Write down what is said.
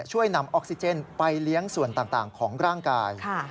ช่วยนำออกซิเจนไปเลี้ยงส่วนต่างของร่างกาย